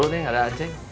kalian muncul di sini